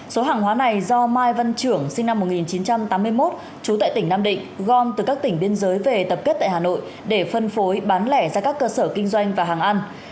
số hàng hóa này do mai văn trưởng sinh năm một nghìn chín trăm tám mươi một trú tại tỉnh nam định gom từ các tỉnh biên giới về tập kết tại hà nội để phân phối bán lẻ ra các cơ sở kinh doanh và hàng ăn